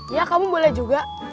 ya kamu boleh juga